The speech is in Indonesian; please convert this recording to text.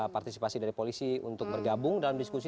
partisipasi dari polisi untuk bergabung dalam diskusi